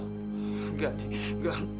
nggak di nggak